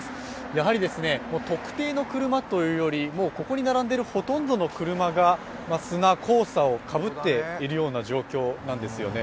やはり特定の車というより、ここに並んでいるほとんどの車が砂、黄砂をかぶっているような状況なんですよね。